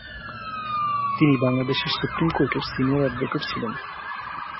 তিনি বাংলাদেশের সুপ্রিম কোর্টের সিনিয়র অ্যাডভোকেট ছিলেন।